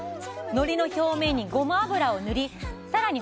のりの表面にごま油を塗りさらに